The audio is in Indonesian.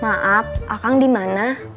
maaf ah kang dimana